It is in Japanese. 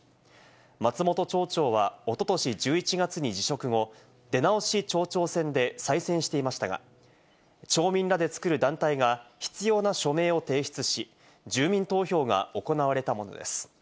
松本町長はおととし１１月に辞職後、出直し町長選で再選していましたが、町民らでつくる団体が必要な署名を提出し、住民投票が行われたものです。